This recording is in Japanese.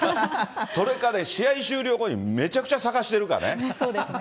それかね、試合終了後にめちゃくちゃ探してるかね。